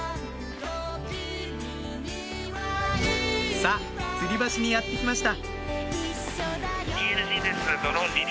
さぁつり橋にやって来ました